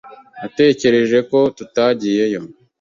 Natekereje ko tutagiyeyo.